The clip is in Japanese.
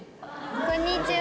こんにちは。